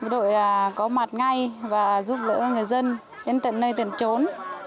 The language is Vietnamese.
đội có mặt ngay và giúp lỡ người dân đến tận nơi tận trốn